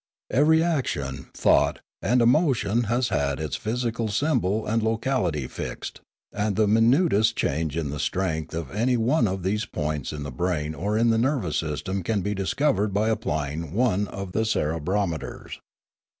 Every action, thought, and emotion has had its physical symbol and locality fixed; and the minutest change in the strength of any one of these points in the brain or in the nervous system can be discovered by applying one of the cerebrometers.